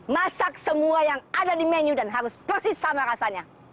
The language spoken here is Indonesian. masak semua yang ada di menu dan harus persis sama rasanya